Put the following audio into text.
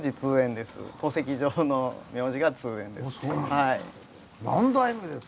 戸籍上の名字が通円です。